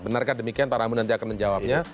benarkah demikian pak rambu nanti akan menjawabnya